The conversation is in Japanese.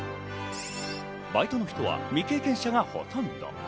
バイトの人は未経験者がほとんど。